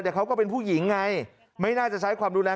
แด้วเขาก็เป็นผู้หญิงไงไม่น่าจะใช้ความดูแล้ว